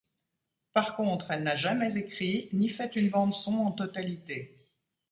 Par contre elle n'a jamais écrit ni fait une bande son en totalité.